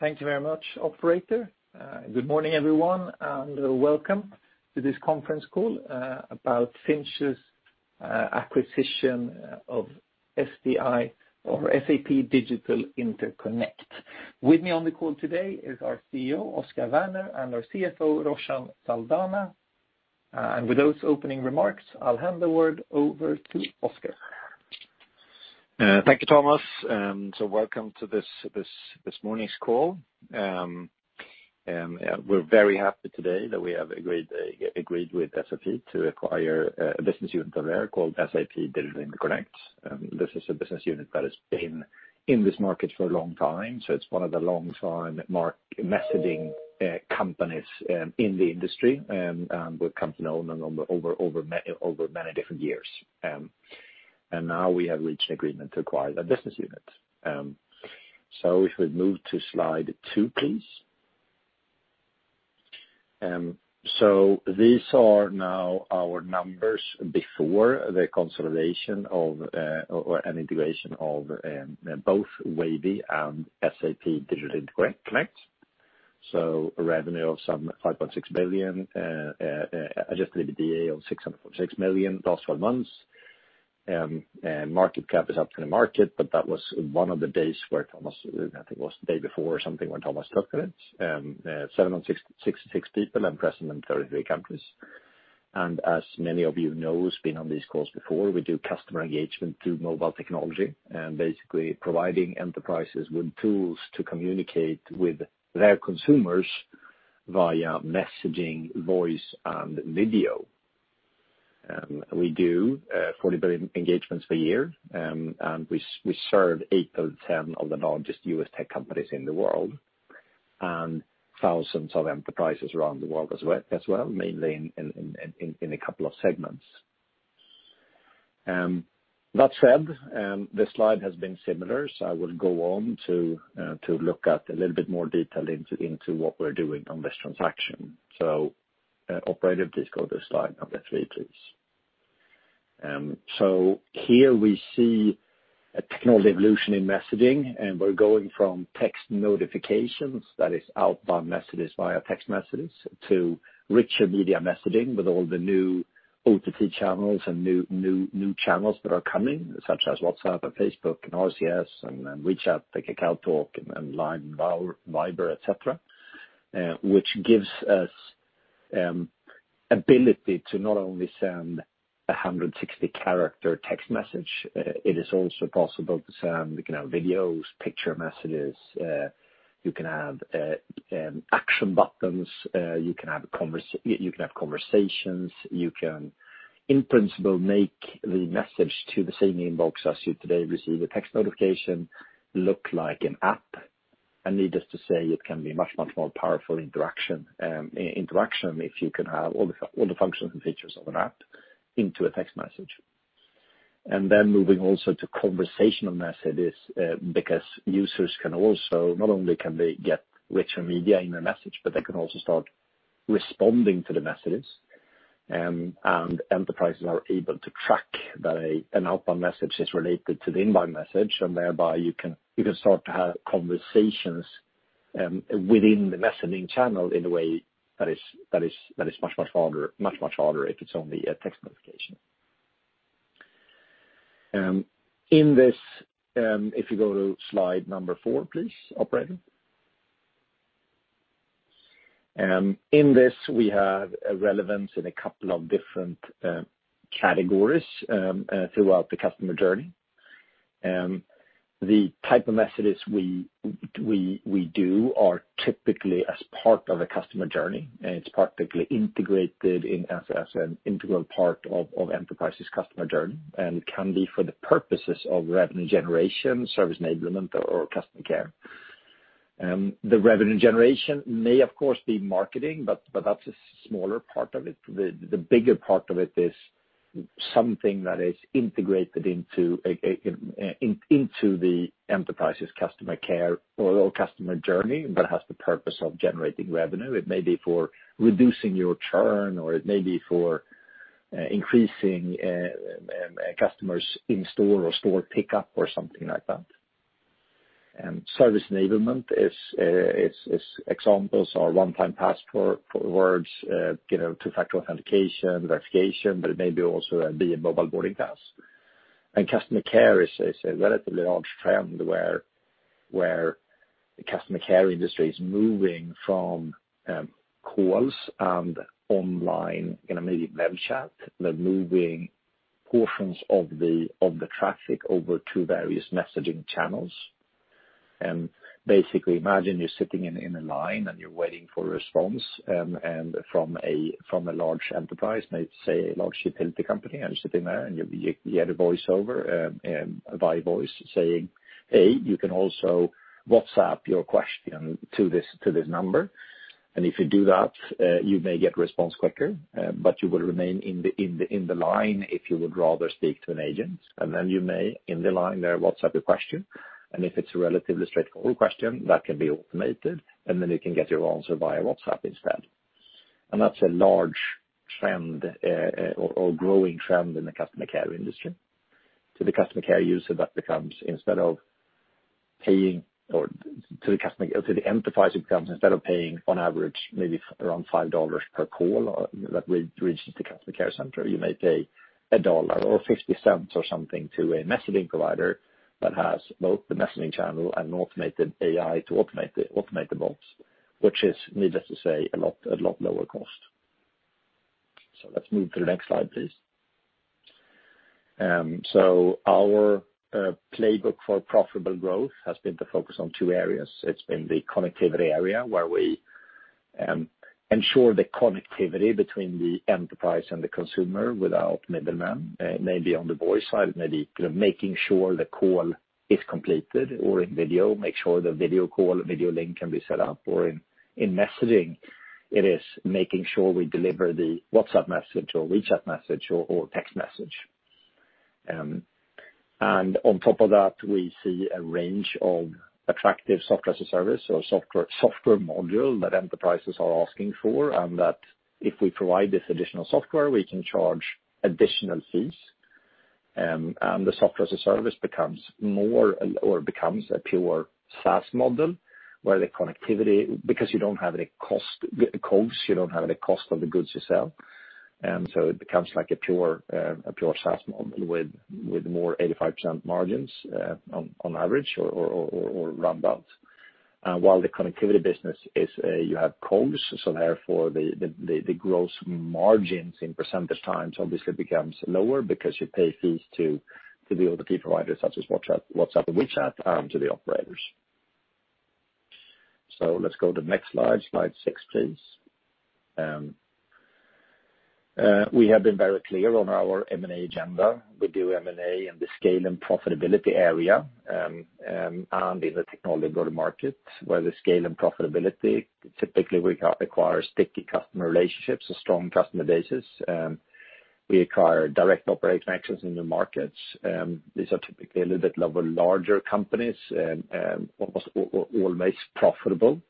Thank you very much, operator. Good morning, everyone, and welcome to this conference call about Sinch's acquisition of SDI or SAP Digital Interconnect. With me on the call today is our CEO, Oscar Werner, and our CFO, Roshan Saldanha. With those opening remarks, I'll hand the word over to Oscar. Thank you, Thomas, and welcome to this morning's call. We're very happy today that we have agreed with SAP to acquire a business unit of their called SAP Digital Interconnect. This is a business unit that has been in this market for a long time. It's one of the longtime messaging companies in the industry, and we've come to know them over many different years. Now we have reached an agreement to acquire that business unit. If we move to slide two, please. These are now our numbers before the consolidation or an integration of both Wavy and SAP Digital Interconnect. A revenue of some 5.6 billion, Adjusted EBITDA of 646 million the last 12 months. Market cap is up to the market, but that was one of the days where Thomas, I think it was the day before or something, when Thomas talked to it. 766 people and present in 33 countries. As many of you know, who's been on these calls before, we do customer engagement through mobile technology and basically providing enterprises with tools to communicate with their consumers via messaging, voice, and video. We do 40 billion engagements per year, and we serve eight out of 10 of the largest U.S. tech companies in the world, and thousands of enterprises around the world as well, mainly in a couple of segments. That said, this slide has been similar, I will go on to look at a little bit more detail into what we're doing on this transaction. Operator, please go to slide number three, please. Here we see a technological evolution in messaging, and we're going from text notifications, that is outbound messages via text messages, to richer media messaging with all the new OTT channels and new channels that are coming, such as WhatsApp, Facebook, RCS, WeChat, KakaoTalk, LINE, Viber, et cetera, which gives us ability to not only send 160-character text message. It is also possible to send videos, picture messages. You can have action buttons. You can have conversations. You can, in principle, make the message to the same inbox as you today receive a text notification, look like an app. Needless to say, it can be much, much more powerful interaction, if you can have all the functions and features of an app into a text message. Moving also to conversational messages, because users not only can get richer media in a message, but they can also start responding to the messages. Enterprises are able to track that an outbound message is related to the inbound message, and thereby you can start to have conversations within the messaging channel in a way that is much, much harder if it's only a text notification. If you go to slide number four, please, operator. In this, we have relevance in a couple of different categories throughout the customer journey. The type of messages we do are typically as part of a customer journey, and it's particularly integrated as an integral part of enterprise's customer journey and can be for the purposes of revenue generation, service enablement, or customer care. The revenue generation may, of course, be marketing, but that's a smaller part of it. The bigger part of it is something that is integrated into the enterprise's customer care or customer journey, but has the purpose of generating revenue. It may be for reducing your churn, or it may be for increasing customers in store or store pickup or something like that. Service enablement, examples are one-time passwords, two-factor authentication, verification, but it may also be a mobile boarding pass. Customer care is a relatively large trend where the customer care industry is moving from calls and online immediate web chat. They're moving portions of the traffic over to various messaging channels. Basically, imagine you're sitting in a line and you're waiting for a response from a large enterprise, let's say a large utility company, and you're sitting there and you get a voiceover via voice saying, hey, you can also WhatsApp your question to this number. If you do that, you may get response quicker, but you will remain in the line if you would rather speak to an agent." You may, in the line there, WhatsApp your question. If it's a relatively straightforward question, that can be automated, and then you can get your answer via WhatsApp instead. That's a large trend or growing trend in the customer care industry. To the customer care user, instead of the enterprise, it becomes, instead of paying on average maybe around $5 per call that will reach the customer care center, you may pay $1 or $0.50 or something to a messaging provider that has both the messaging channel and an automated AI to automate the bots, which is needless to say, a lot lower cost. Let's move to the next slide, please. Our playbook for profitable growth has been to focus on two areas. It's been the connectivity area, where we ensure the connectivity between the enterprise and the consumer without middlemen. Maybe on the voice side, maybe making sure the call is completed or in video, make sure the video call, video link can be set up or in messaging, it is making sure we deliver the WhatsApp message or WeChat message or text message. On top of that, we see a range of attractive software-as-a-service or software module that enterprises are asking for, and that if we provide this additional software, we can charge additional fees. The software-as-a-service becomes a pure SaaS model where the connectivity—because you don't have any cost COGS, you don't have any cost of the goods you sell—becomes like a pure SaaS model with more 85% margins, on average or round about. While the connectivity business is, you have COGS, so therefore the gross margins in percentage terms obviously becomes lower because you pay fees to the other key providers such as WhatsApp and WeChat, to the operators. Let's go to the next slide. Slide six, please. We have been very clear on our M&A agenda. We do M&A in the scale and profitability area, in the technology go-to-market, where the scale and profitability typically we acquire sticky customer relationships, a strong customer basis. We acquire direct operator connections in the markets. These are typically a little bit larger companies, almost always profitable.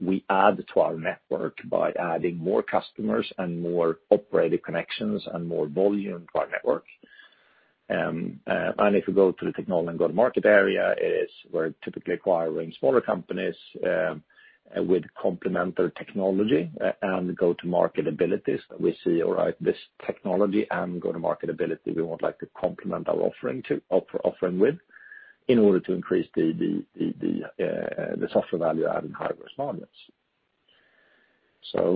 We add to our network by adding more customers and more operator connections and more volume to our network. If we go to the technology go-to-market area, it is where we're typically acquiring smaller companies with complementary technology and go-to-market abilities that we see, all right, this technology and go-to-market ability, we would like to complement our offering with, in order to increase the software value-added higher gross margins.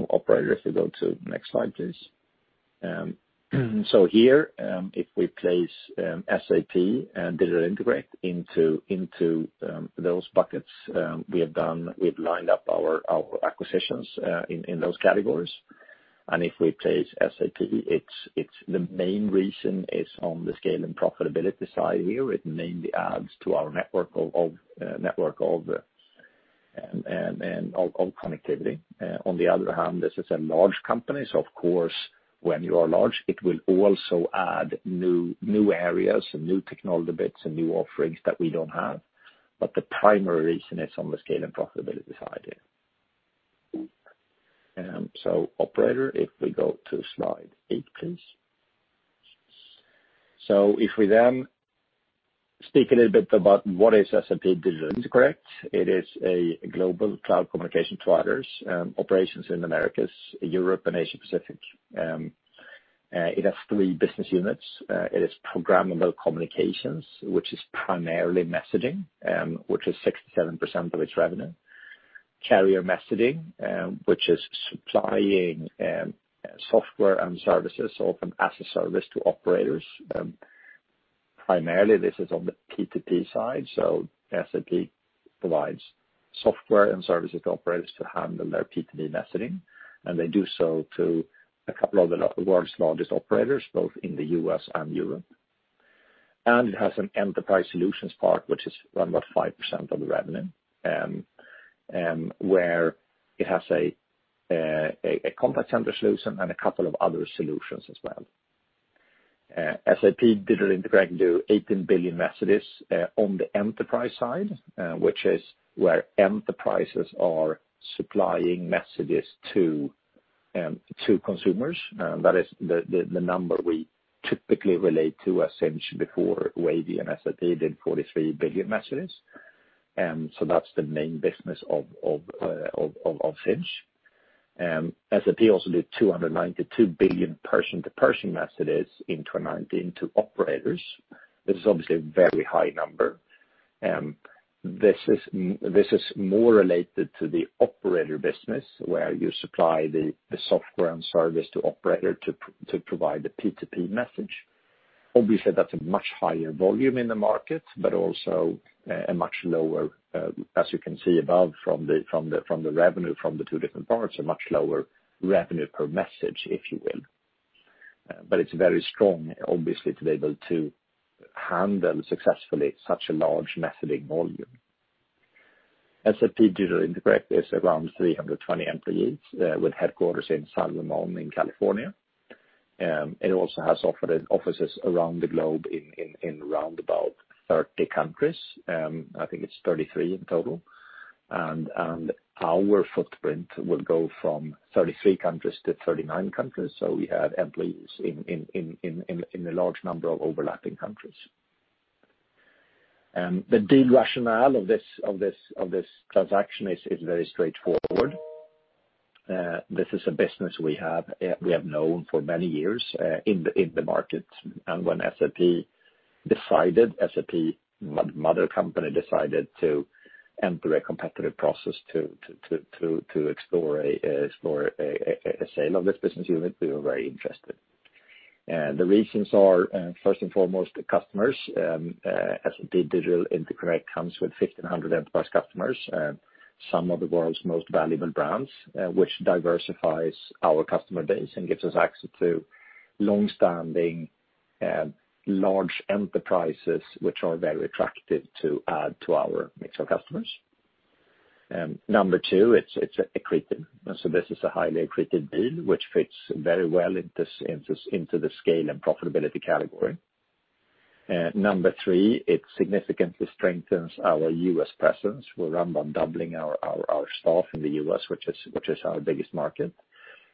Operator, if we go to next slide, please. Here, if we place SAP and Digital Interconnect into those buckets, we've lined up our acquisitions in those categories. If we place SAP, the main reason is on the scale and profitability side here. It mainly adds to our network of connectivity. On the other hand, this is a large company, so of course when you are large, it will also add new areas and new technology bits and new offerings that we don't have. The primary reason is on the scale and profitability side here. Operator, if we go to slide eight, please. If we then speak a little bit about what is SAP Digital Interconnect. It is a global cloud communication provider. Operations in Americas, Europe, and Asia Pacific. It has three business units. It has programmable communications, which is primarily messaging, which is 67% of its revenue. Carrier messaging, which is supplying software and services often as a service to operators. Primarily, this is on the P2P side, so SAP provides software and services to operators to handle their P2P messaging, and they do so to a couple of the world's largest operators, both in the U.S. and Europe. It has an enterprise solutions part, which is around about 5% of the revenue, where it has a contact center solution and a couple of other solutions as well. SAP Digital Interconnect do 18 billion messages on the enterprise side, which is where enterprises are supplying messages to consumers. That is the number we typically relate to as Sinch before Wavy and SAP did 43 billion messages. That's the main business of Sinch. SAP also did 292 billion person-to-person messages in 2019 to operators. This is obviously a very high number. This is more related to the operator business where you supply the software and service to operator to provide the P2P message. That's a much higher volume in the market, but also a much lower, as you can see above from the revenue from the two different parts, a much lower revenue per message, if you will. It's very strong, obviously, to be able to handle successfully such a large messaging volume. SAP Digital Interconnect is around 320 employees, with headquarters in San Ramon in California. It also has offices around the globe in around about 30 countries. I think it's 33 in total. Our footprint will go from 33 countries to 39 countries. We have employees in a large number of overlapping countries. The deal rationale of this transaction is very straightforward. This is a business we have known for many years in the market. When SAP mother company decided to enter a competitive process to explore a sale of this business unit, we were very interested. The reasons are, first and foremost, the customers. SAP Digital Interconnect comes with 1,500 enterprise customers, some of the world's most valuable brands, which diversifies our customer base and gives us access to longstanding, large enterprises, which are very attractive to add to our mix of customers. Number two, it's accretive. This is a highly accretive deal, which fits very well into the scale and profitability category. Number three, it significantly strengthens our U.S. presence. We're around doubling our staff in the U.S., which is our biggest market.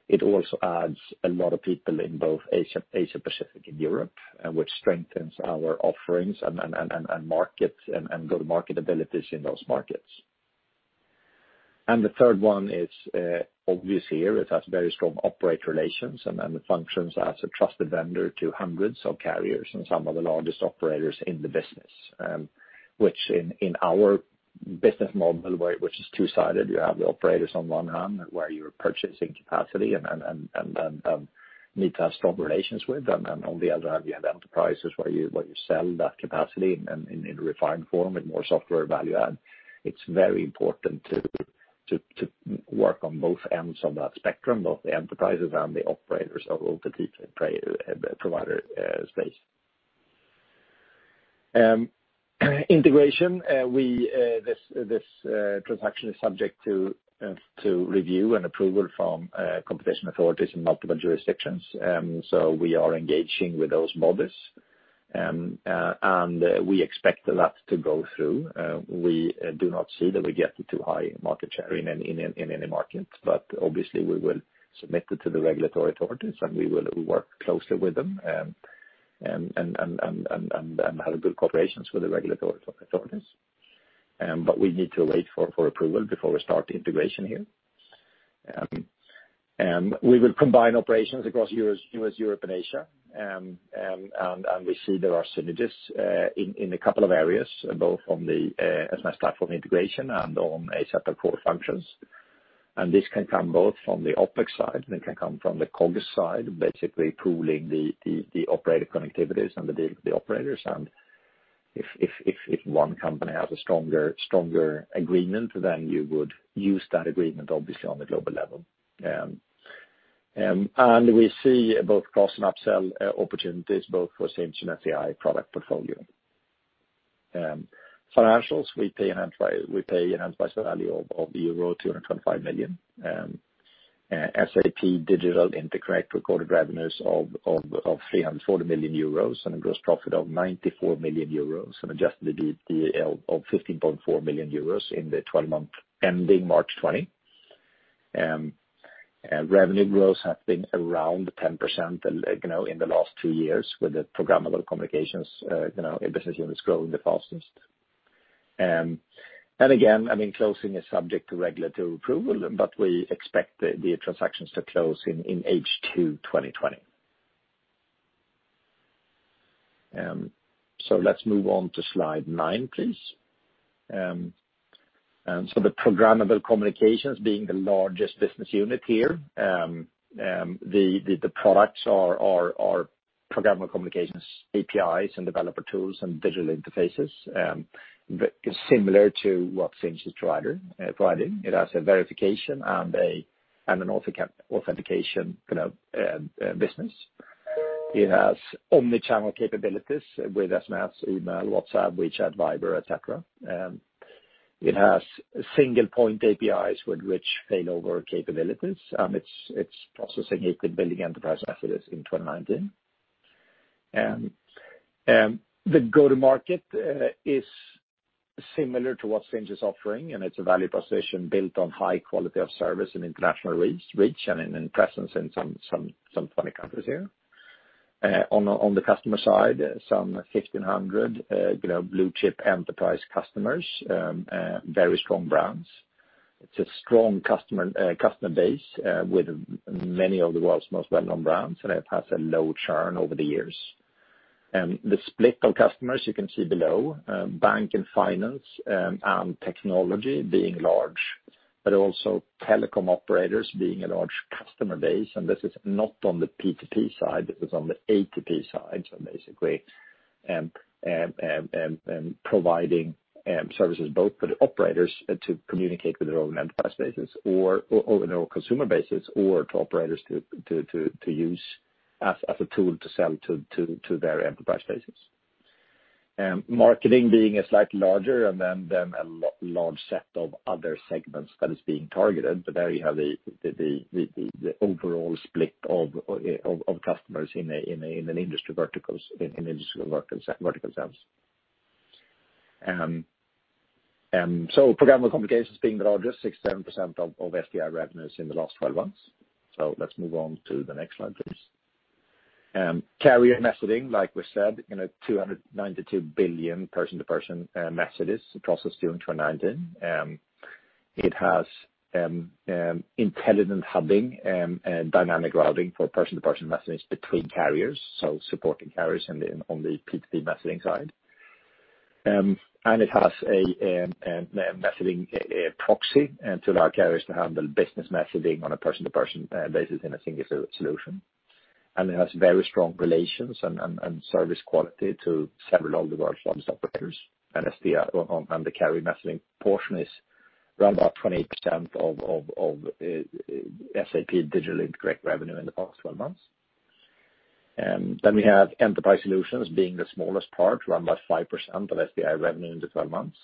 It also adds a lot of people in both Asia Pacific and Europe, which strengthens our offerings and go-to-market abilities in those markets. The third one is obvious here. It has very strong operator relations and it functions as a trusted vendor to hundreds of carriers and some of the largest operators in the business, which in our business model, is two-sided. You have the operators on one hand where you're purchasing capacity and need to have strong relations with. On the other hand, you have enterprises where you sell that capacity in a refined form with more software value add. It's very important to work on both ends of that spectrum, both the enterprises and the operators of the provider space. Integration. This transaction is subject to review and approval from competition authorities in multiple jurisdictions. We are engaging with those bodies. We expect that to go through. We do not see that we get too high market share in any market. Obviously, we will submit it to the regulatory authorities, and we will work closely with them and have good cooperation with the regulatory authorities. We need to wait for approval before we start the integration here. We will combine operations across U.S., Europe, and Asia. We see there are synergies in a couple of areas, both on the SMS platform integration and on a set of core functions. This can come both from the OpEx side, and it can come from the COGS side, basically pooling the operator connectivities and the operators. If one company has a stronger agreement, then you would use that agreement, obviously, on the global level. We see both cross and upsell opportunities both for Sinch and SDI product portfolio. Financials, we pay an enterprise value of euro 225 million. SAP Digital Interconnect recorded revenues of 340 million euros and a gross profit of 94 million euros and Adjusted EBITDA of 15.4 million euros in the 12 months ending March 20. Revenue growth has been around 10% in the last two years with the programmable communications business unit is growing the fastest. Again, closing is subject to regulatory approval, but we expect the transactions to close in H2 2020. Let's move on to slide nine, please. The programmable communications being the largest business unit here. The products are programmable communications, APIs and developer tools and digital interfaces. Similar to what Sinch is providing. It has a verification and an authentication business. It has omnichannel capabilities with SMS, email, WhatsApp, WeChat, Viber, et cetera. It has single-point APIs with rich failover capabilities. It's processing 18 billion enterprise messages in 2019. The go-to-market is similar to what Sinch is offering, and it's a value proposition built on high quality of service and international reach and presence in some 20 countries here. On the customer side, some 1,500 blue-chip enterprise customers, very strong brands. It's a strong customer base with many of the world's most well-known brands, and it has a low churn over the years. The split of customers you can see below, bank and finance and technology being large, but also telecom operators being a large customer base. This is not on the P2P side, it is on the A2P side, so basically providing services both for the operators to communicate with their own enterprise bases or their own consumer bases or to operators to use as a tool to sell to their enterprise bases. Marketing being a slightly larger, and then a large set of other segments that is being targeted. There you have the overall split of customers in industrial vertical sense. Programmable communications being the largest, 67% of SDI revenues in the last 12 months. Let's move on to the next slide, please. Carrier messaging, like we said, 292 billion person-to-person messages processed during 2019. It has intelligent hubbing and dynamic routing for person-to-person messaging between carriers, so supporting carriers on the P2P messaging side. It has a messaging proxy to allow carriers to handle business messaging on a person-to-person basis in a singular solution. It has very strong relations and service quality to several of the world's largest operators. The carrier messaging portion is around about 28% of SAP Digital Interconnect revenue in the past 12 months. We have enterprise solutions being the smallest part, around about 5% of SDI revenue in the 12 months.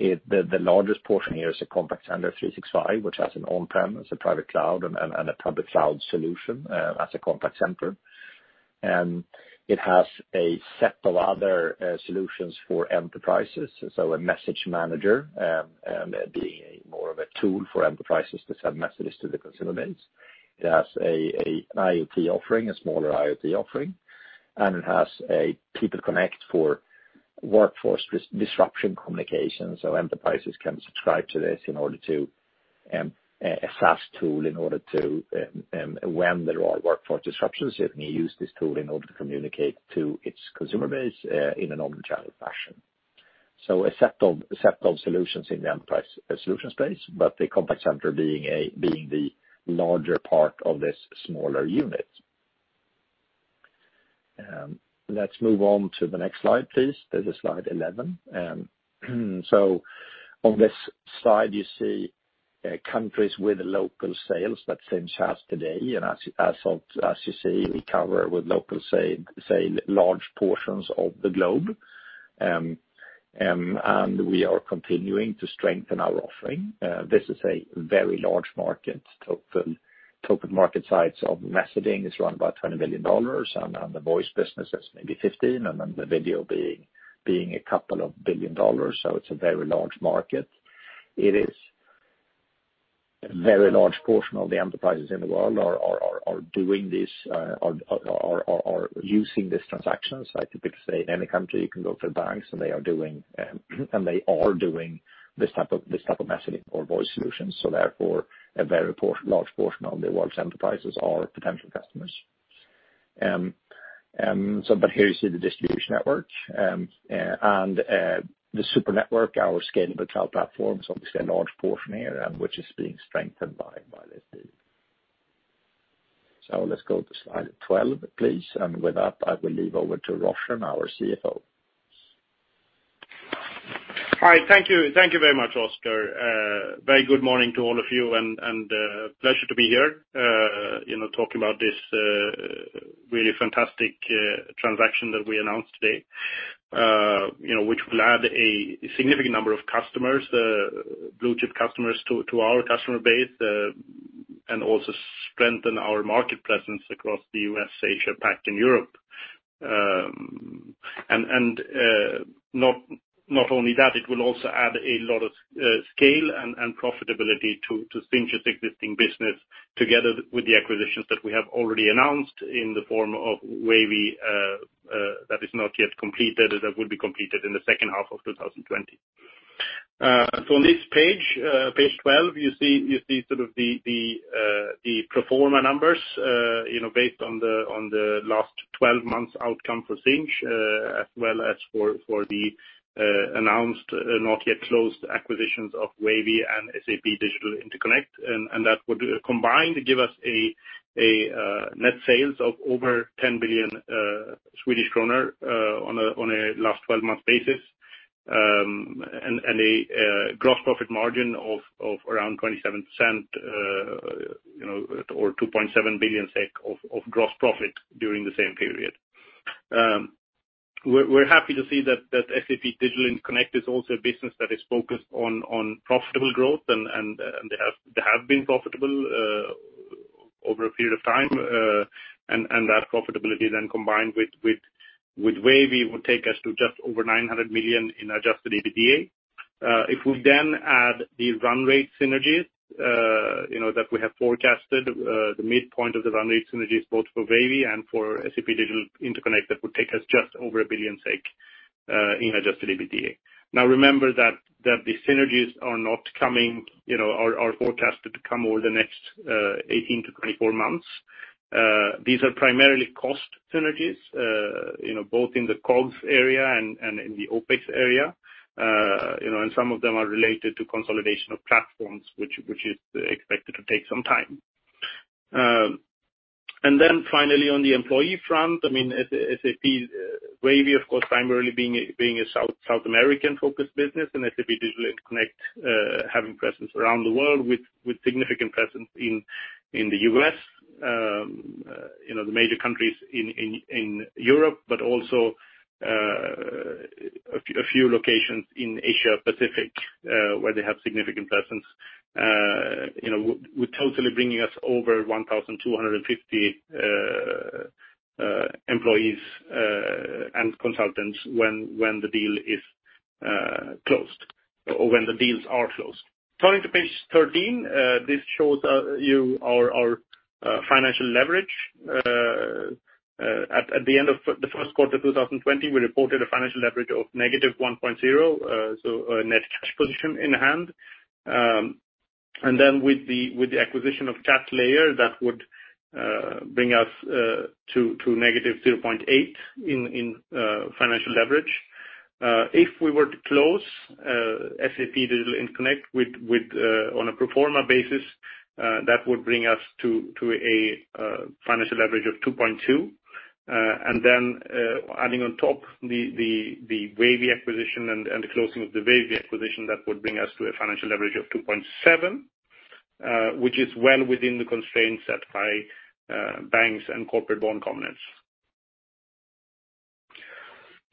The largest portion here is Contact Center 365, which has an on-prem, a private cloud, and a public cloud solution as a contact center. It has a set of other solutions for enterprises, a Message Manager, being more of a tool for enterprises to send messages to their consumer base. It has an IoT offering, a smaller IoT offering, and it has a People Connect for workforce disruption communication. Enterprises can subscribe to this, a SaaS tool. When there are workforce disruptions, it may use this tool in order to communicate to its consumer base in an omnichannel fashion. A set of solutions in the enterprise solution space, but the Contact Center being the larger part of this smaller unit. Let's move on to the next slide, please. This is slide 11. On this slide, you see countries with local sales that Sinch has today. As you see, we cover with local sale large portions of the globe. We are continuing to strengthen our offering. This is a very large market. Total market size of messaging is $20 billion, and the voice business is maybe $15 billion, and then the video being $2 billion. It's a very large market. A very large portion of the enterprises in the world are using these transactions. I typically say in any country, you can go to the banks, they are doing this type of messaging or voice solutions. Therefore, a very large portion of the world's enterprises are potential customers. Here you see the distribution network. The super network, our scalable trial platform is obviously a large portion here, and which is being strengthened by this deal. Let's go to slide 12, please. With that, I will leave over to Roshan, our CFO. Hi. Thank you very much, Oscar. Very good morning to all of you, and pleasure to be here talking about this really fantastic transaction that we announced today which will add a significant number of customers, blue-chip customers to our customer base, and also strengthen our market presence across the U.S., Asia-Pac, and Europe. Not only that, it will also add a lot of scale and profitability to Sinch's existing business together with the acquisitions that we have already announced in the form of Wavy that is not yet completed, that will be completed in the second half of 2020. On this page 12, you see sort of the pro forma numbers based on the last 12 months' outcome for Sinch, as well as for the announced, not yet closed acquisitions of Wavy and SAP Digital Interconnect. That would combined give us a net sales of over 10 billion Swedish kronor on a last 12-month basis, and a gross profit margin of around 27%, or 2.7 billion SEK of gross profit during the same period. We're happy to see that SAP Digital Interconnect is also a business that is focused on profitable growth and they have been profitable over a period of time. That profitability then combined with Wavy will take us to just over 900 million in Adjusted EBITDA. If we then add the run rate synergies that we have forecasted, the midpoint of the run rate synergies both for Wavy and for SAP Digital Interconnect, that would take us just over 1 billion in Adjusted EBITDA. Remember that the synergies are not coming, are forecasted to come over the next 18 to 24 months. These are primarily cost synergies both in the COGS area and in the OpEx area. Some of them are related to consolidation of platforms, which is expected to take some time. Finally, on the employee front, Wavy—of course, primarily being a South American-focused business—and SAP Digital Interconnect—having presence around the world with significant presence in the U.S., the major countries in Europe but also a few locations in Asia Pacific, where they have significant presence—would totally bringing us over 1,250 employees and consultants when the deals are closed. Turning to page 13. This shows you our financial leverage. At the end of the first quarter 2020, we reported a financial leverage of -1.0x, so a net cash position in hand. With the acquisition of Chatlayer, that would bring us to -0.8x in financial leverage. If we were to close SAP Digital Interconnect on a pro forma basis, that would bring us to a financial leverage of 2.2x. Adding on top the Wavy acquisition and the closing of the Wavy acquisition, that would bring us to a financial leverage of 2.7x, which is well within the constraints set by banks and corporate bond covenants.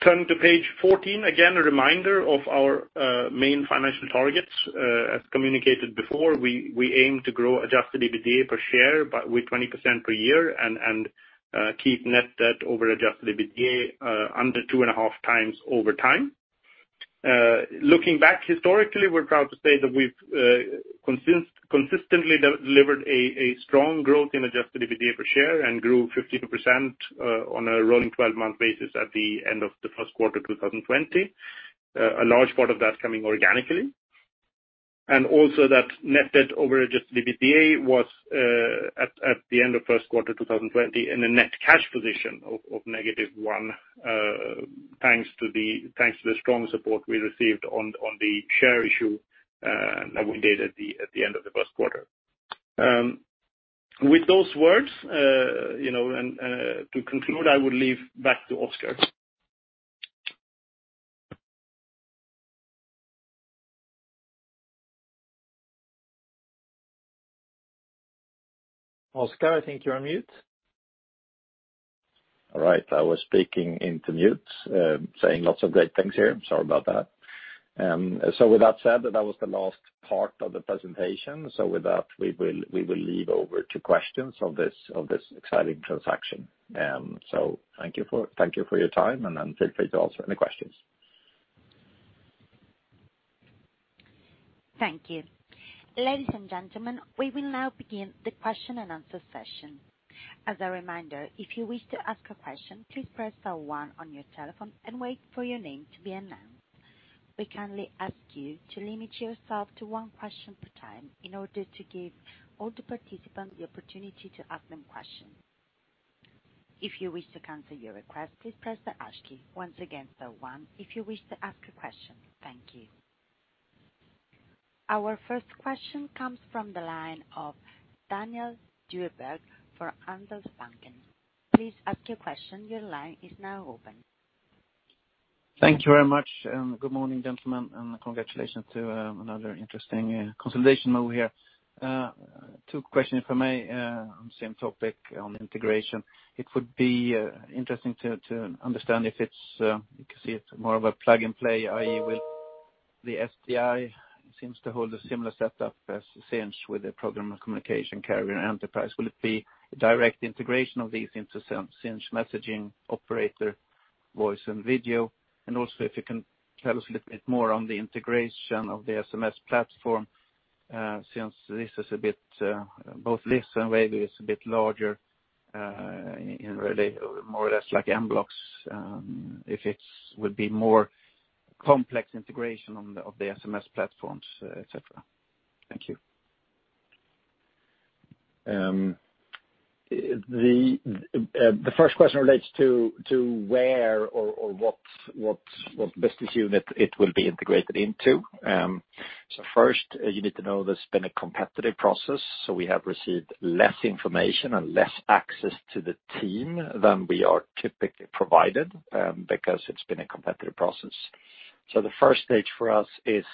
Turning to page 14. Again, a reminder of our main financial targets. As communicated before, we aim to grow Adjusted EBITDA per share with 20% per year and keep net debt over Adjusted EBITDA under 2.5x over time. Looking back historically, we're proud to say that we've consistently delivered a strong growth in Adjusted EBITDA per share and grew 52% on a rolling 12-month basis at the end of the first quarter 2020. A large part of that coming organically. Also that net debt over Adjusted EBITDA was, at the end of first quarter 2020, in a net cash position of -1, thanks to the strong support we received on the share issue that we did at the end of the first quarter. With those words, and to conclude, I will leave back to Oscar. Oscar, I think you're on mute. All right. I was speaking into mute, saying lots of great things here. Sorry about that. With that said, that was the last part of the presentation. With that, we will leave over to questions of this exciting transaction. Thank you for your time, and feel free to ask any questions. Thank you. Ladies and gentlemen, we will now begin the question-and-answer session. As a reminder, if you wish to ask a question, please press star one on your telephone and wait for your name to be announced. We kindly ask you to limit yourself to one question per time in order to give all the participants the opportunity to ask them questions. If you wish to cancel your request, please press the hash key. Once again, star one if you wish to ask a question. Thank you. Our first question comes from the line of Daniel Djurberg for Handelsbanken. Please ask your question. Your line is now open. Thank you very much. Good morning, gentlemen, and congratulations to another interesting consolidation move here. Two questions from me, on the same topic on integration. It would be interesting to understand if it's more of a plug-and-play, i.e., with the SDI seems to hold a similar setup as Sinch with the programmable communications carrier enterprise. Will it be a direct integration of these into Sinch messaging operator voice and video? Also if you can tell us a little bit more on the integration of the SMS platform, since both this and Wavy is a bit larger, really more or less like mBlox, if it would be more complex integration of the SMS platforms, et cetera. Thank you. The first question relates to where or what business unit it will be integrated into. First, you need to know there's been a competitive process. We have received less information and less access to the team than we are typically provided, because it's been a competitive process. The first stage for us is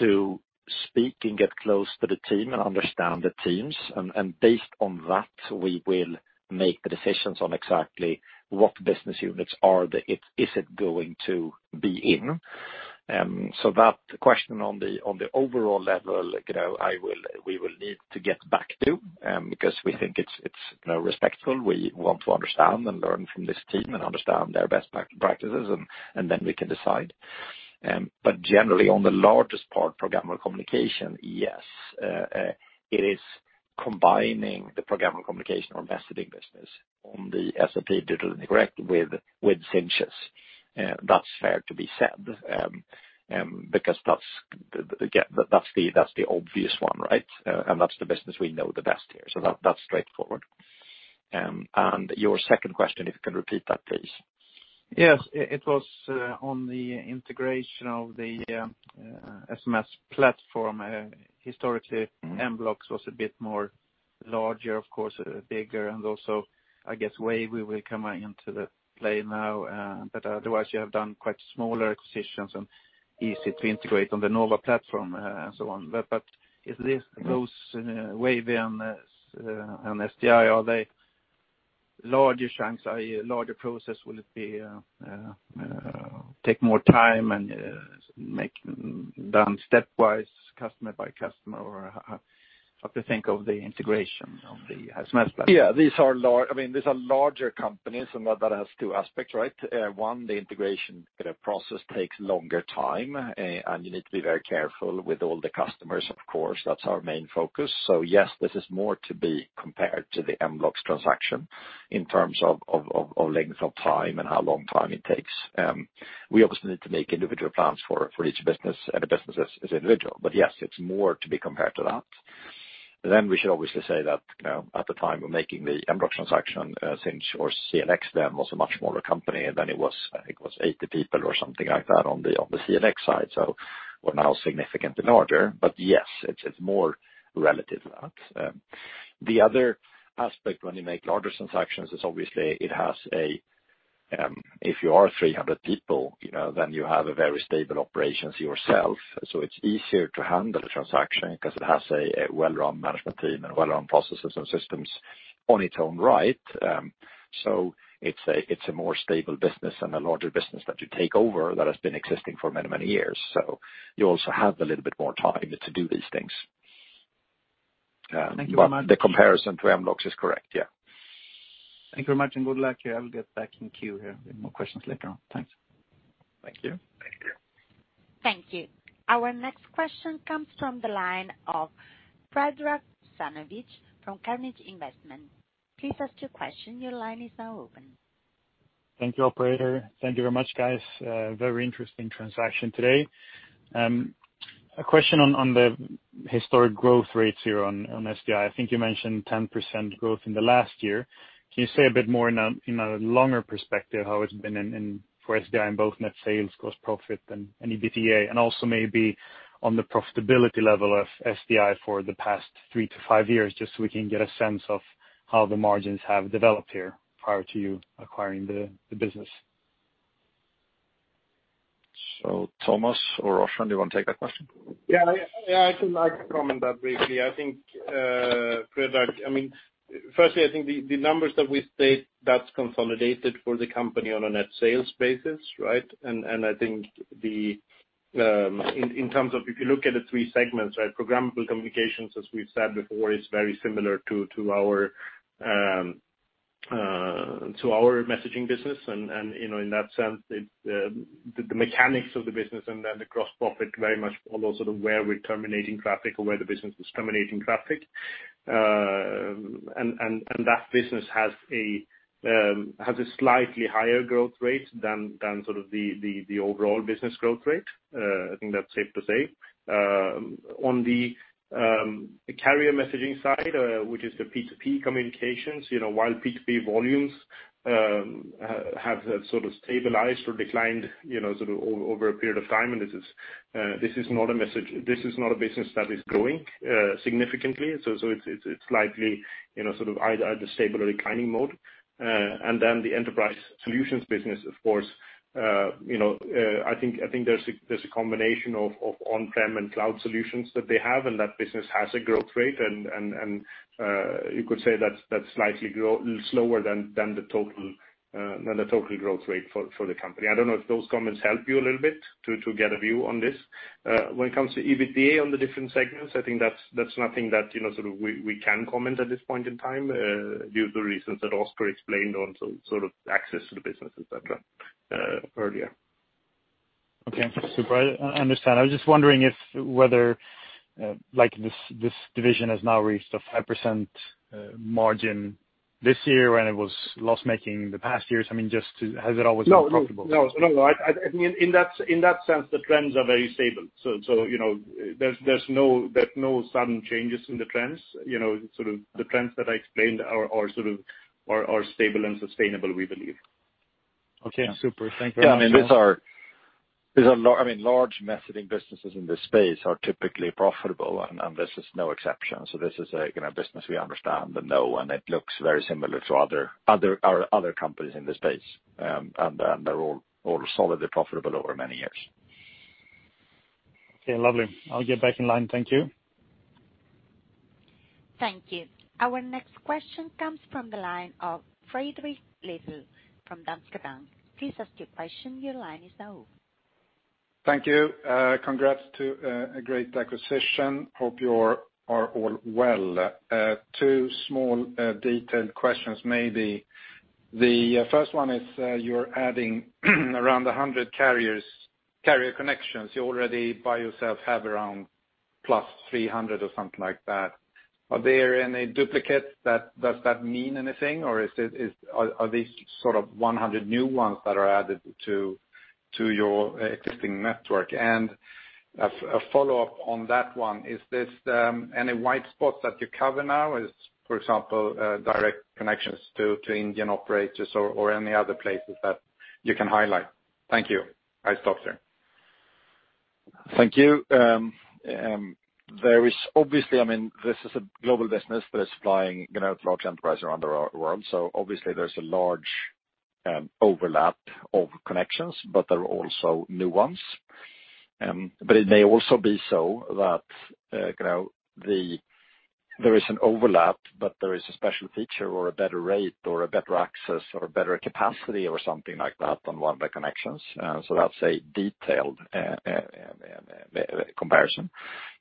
to speak and get close to the team and understand the teams. Based on that, we will make the decisions on exactly what business units is it going to be in. That question on the overall level, we will need to get back to, because we think it's respectful. We want to understand and learn from this team and understand their best practices, and then we can decide. Generally, on the largest part programmable communication, yes. It is combining the programmable communications or messaging business on the SAP Digital Interconnect with Sinch's. That's fair to be said, because that's the obvious one. That's the business we know the best here. That's straightforward. Your second question, if you can repeat that, please. It was on the integration of the SMS platform. Historically, mBlox was a bit more larger, of course, bigger and also, I guess, Wavy we will come into the play now. Otherwise you have done quite smaller acquisitions and easy to integrate on the Nova platform, and so on. Those Wavy and SDI, are they larger chunks, larger process? Will it take more time and done step wise, customer by customer, or how to think of the integration on the SMS platform? These are larger companies and that has two aspects. One, the integration process takes longer time, and you need to be very careful with all the customers, of course. That's our main focus. Yes, this is more to be compared to the mBlox transaction in terms of length of time and how long time it takes. We obviously need to make individual plans for each business, and the business is individual. Yes, it's more to be compared to that. We should obviously say that, at the time of making the mBlox transaction, Sinch or CLX then was a much smaller company than it was. I think it was 80 people or something like that on the CLX side. We're now significantly larger. Yes, it's more relative to that. The other aspect when you make larger transactions is obviously, if you are 300 people, then you have a very stable operations yourself. It's easier to handle a transaction because it has a well-run management team and well-run processes and systems on its own right. It's a more stable business and a larger business that you take over that has been existing for many, many years. You also have a little bit more time to do these things. Thank you very much. The comparison to mBlox is correct. Thank you very much. Good luck. I will get back in queue here with more questions later on. Thanks. Thank you. Thank you. Our next question comes from the line of Predrag Savinovic from Carnegie Investment. Please ask your question. Your line is now open. Thank you, operator. Thank you very much, guys. Very interesting transaction today. A question on the historic growth rates here on SDI. I think you mentioned 10% growth in the last year. Can you say a bit more in a longer perspective how it's been for SDI in both net sales, gross profit and EBITDA? Also maybe on the profitability level of SDI for the past three to five years, just so we can get a sense of how the margins have developed here prior to you acquiring the business. Thomas or Roshan, do you want to take that question? I can comment that briefly. Predrag, firstly, I think the numbers that we state that's consolidated for the company on a net sales basis. If you look at the three segments, programmable communications, as we've said before, is very similar to our messaging business. In that sense, the mechanics of the business and then the gross profit very much follows where we're terminating traffic or where the business is terminating traffic. That business has a slightly higher growth rate than the overall business growth rate. I think that's safe to say. On the carrier messaging side, which is the P2P communications, while P2P volumes have sort of stabilized or declined over a period of time, this is not a business that is growing significantly. It's likely either stable or declining mode. The enterprise solutions business, of course, I think there's a combination of on-prem and cloud solutions that they have, and that business has a growth rate, and you could say that's slightly slower than the total growth rate for the company. I don't know if those comments helped you a little bit to get a view on this. When it comes to EBITDA on the different segments, I think that's nothing that we can comment at this point in time, due to reasons that Oscar explained on access to the business, et cetera, earlier. Super. I understand. I was just wondering if whether this division has now reached a 5% margin this year when it was loss-making the past years. Has it always been profitable? No. In that sense, the trends are very stable. There's no sudden changes in the trends. The trends that I explained are stable and sustainable, we believe. Super. Thank you very much. Large messaging businesses in this space are typically profitable, and this is no exception. This is a business we understand and know, and it looks very similar to our other companies in this space. They're all solidly profitable over many years. Lovely. I'll get back in line. Thank you. Thank you. Our next question comes from the line of Fredrik Lithell from Danske Bank. Please ask your question. Your line is now open. Thank you. Congrats to a great acquisition. Hope you are all well. Two small detailed questions, maybe. The first one is, you're adding around 100 carrier connections. You already by yourself have around 300+ or something like that. Are there any duplicates? Does that mean anything or are these sort of 100 new ones that are added to your existing network? A follow-up on that one, is there any white spots that you cover now? For example, direct connections to Indian operators or any other places that you can highlight? Thank you. Nice talk sir. Thank you. This is a global business that is flying large enterprise around our world. Obviously there's a large overlap of connections, but there are also new ones. It may also be so that there is an overlap, but there is a special feature or a better rate or a better access or a better capacity or something like that on one of the connections. That's a detailed comparison.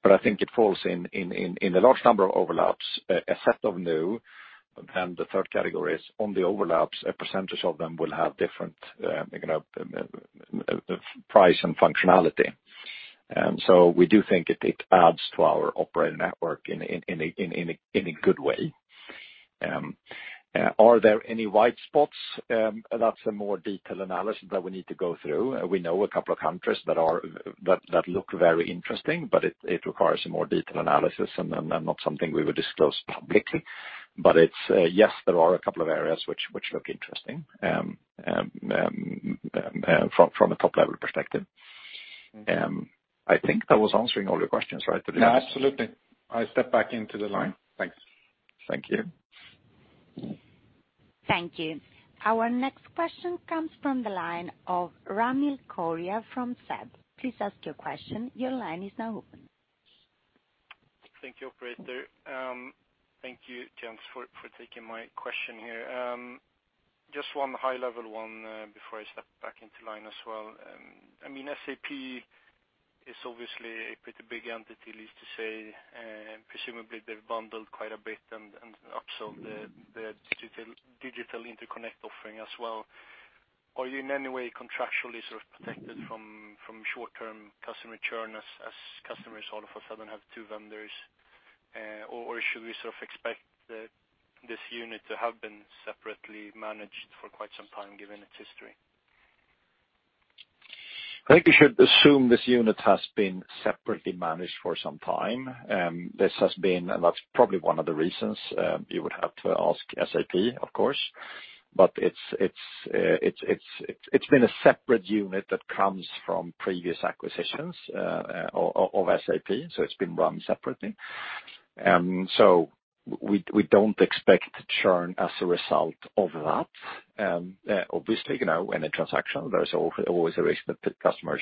I think it falls in the large number of overlaps, a set of new, and then the third category is on the overlaps, a percentage of them will have different price and functionality. We do think it adds to our operating network in a good way. Are there any white spots? That's a more detailed analysis that we need to go through. We know a couple of countries that look very interesting, but it requires a more detailed analysis and not something we would disclose publicly. It's, yes, there are a couple of areas which look interesting from a top-level perspective. I think that was answering all your questions, right? Absolutely. I step back into the line. Thanks. Thank you. Thank you. Our next question comes from the line of Ramil Koria from SEB. Please ask your question. Your line is now open. Thank you, operator. Thank you, gents, for taking my question here. Just one high level one before I step back into line as well. SAP is obviously a pretty big entity, least to say. Presumably they've bundled quite a bit and upsell their Digital Interconnect offering as well. Are you in any way contractually sort of protected from short-term customer churn as customers all of a sudden have two vendors? Should we sort of expect this unit to have been separately managed for quite some time, given its history? I think we should assume this unit has been separately managed for some time. That's probably one of the reasons. You would have to ask SAP, of course. It's been a separate unit that comes from previous acquisitions of SAP, so it's been run separately. We don't expect churn as a result of that. Obviously, in a transaction, there's always a risk that customers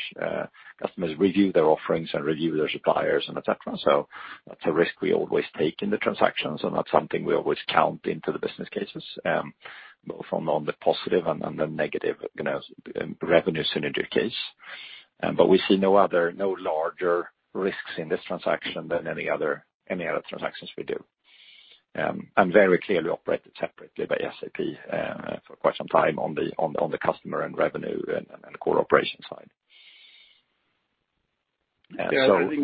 review their offerings and review their suppliers and et cetera. That's a risk we always take in the transaction. That's something we always count into the business cases, both on the positive and the negative revenue synergy case. We see no larger risks in this transaction than any other transactions we do. Very clearly operated separately by SAP for quite some time on the customer and revenue and core operation side. I think-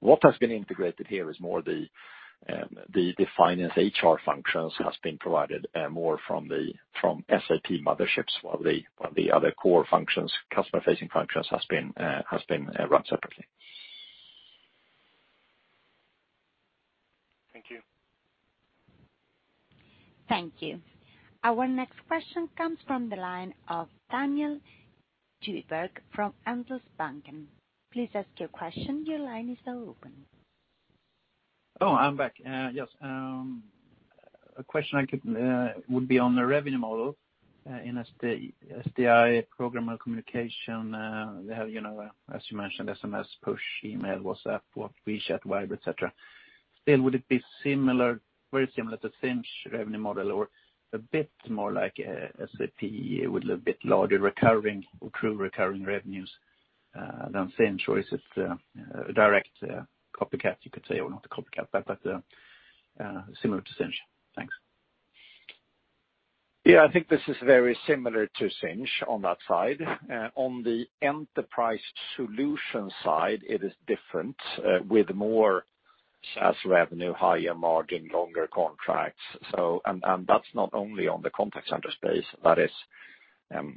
What has been integrated here is more the finance/HR functions from SAP mothership, while the other core functions, customer-facing functions, has been run separately. Thank you. Thank you. Our next question comes from the line of Daniel Djurberg from Handelsbanken. Please ask your question. Your line is now open. I'm back. A question would be on the revenue model in SDI programmable communications. They have, as you mentioned, SMS, push email, WhatsApp or WeChat, Viber, et cetera. Would it be very similar to Sinch revenue model or a bit more like SAP with a bit larger recurring or true recurring revenues than Sinch? Is it a direct copycat, you could say, or not a copycat, but similar to Sinch? Thanks. I think this is very similar to Sinch on that side. On the enterprise solution side, it is different, with more SaaS revenue, higher margin, longer contracts. That's not only on the contact center space.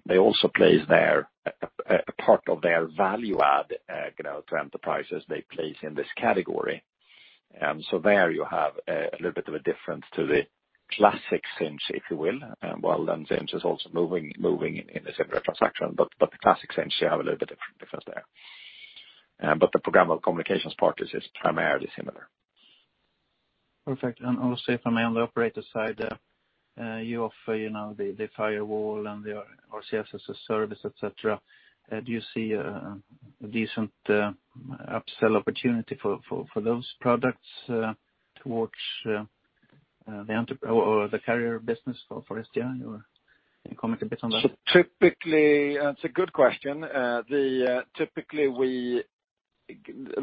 They also place a part of their value add to enterprises they place in this category. There you have a little bit of a difference to the classic Sinch, if you will. Sinch is also moving in a separate transaction. The classic Sinch, you have a little bit of difference there. The programmable communications part is primarily similar. Perfect. Also from on the operator side, you offer the firewall and the RCS as a service, et cetera. Do you see a decent upsell opportunity for those products towards the carrier business or for SDI? Or can you comment a bit on that? That's a good question.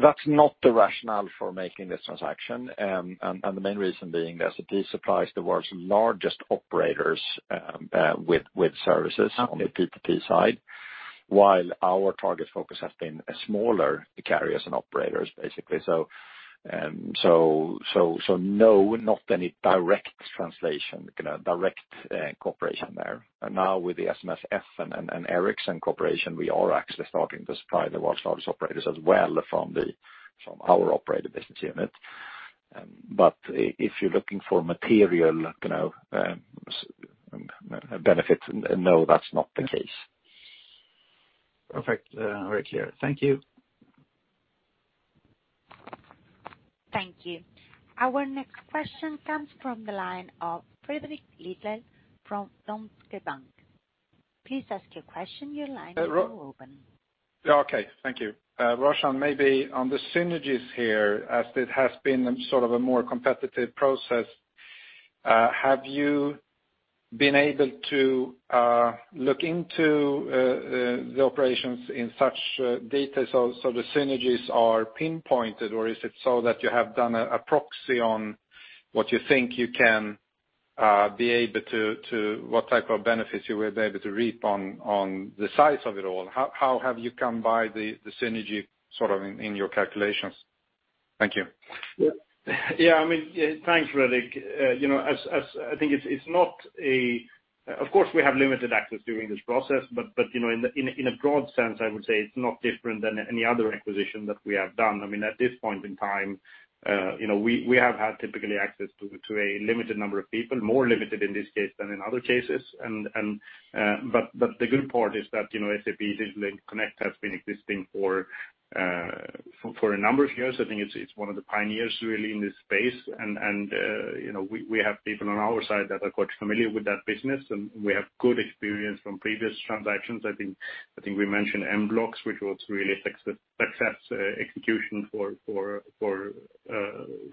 That's not the rationale for making this transaction. The main reason being that SAP supplies the world's largest operators with services on the P2P side, while our target focus has been smaller carriers and operators, basically. No, not any direct translation, direct cooperation there. Now with the SMSF and Ericsson Corporation, we are actually starting to supply the world's largest operators as well from our operator business unit. If you're looking for material benefits, no, that's not the case. Perfect. Very clear. Thank you. Thank you. Our next question comes from the line of Fredrik Lithell from Danske Bank. Please ask your question, your line is now open. Thank you. Roshan, maybe on the synergies here, as it has been sort of a more competitive process, have you been able to look into the operations in such detail so the synergies are pinpointed or is it so that you have done a proxy on what type of benefits you will be able to reap on the size of it all? How have you come by the synergy in your calculations? Thank you. Thanks, Fredrik. Of course, we have limited access during this process, but, in a broad sense, I would say it's not different than any other acquisition that we have done. At this point in time, we have had typically access to a limited number of people, more limited in this case than in other cases. The good part is that, SAP Digital Interconnect has been existing for a number of years. I think it's one of the pioneers really in this space. We have people on our side that are quite familiar with that business, and we have good experience from previous transactions. I think we mentioned mBlox, which was really a success execution for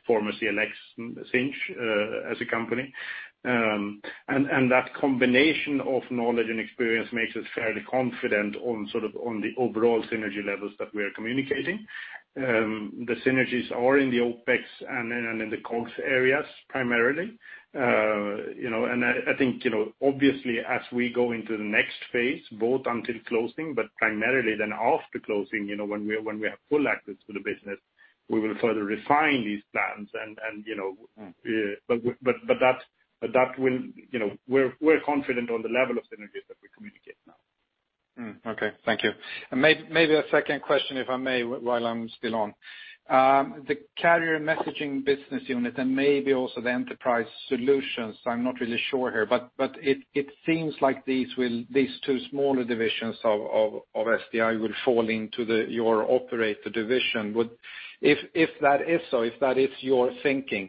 former CLX Sinch as a company. That combination of knowledge and experience makes us fairly confident on the overall synergy levels that we're communicating. The synergies are in the OpEx and in the COGS areas primarily. I think, obviously as we go into the next phase, both until closing, but primarily then after closing, when we have full access to the business, we will further refine these plans. We're confident on the level of synergies that we communicate now. Thank you. Maybe a second question, if I may, while I'm still on. The carrier messaging business unit and maybe also the enterprise solutions, I'm not really sure here, but it seems like these two smaller divisions of SDI will fall into your operator division. If that is so, if that is your thinking,